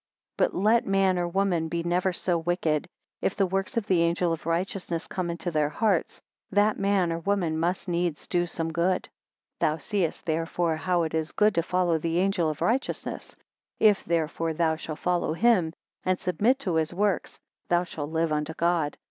17 But let man or woman be never so wicked, if the works of the angel of righteousness come into their hearts, that man or woman must needs do some good. 18 Thou seest therefore how it is good to follow the angel of righteousness. If therefore thou shall follow him, and submit to his works, thou shalt live unto God.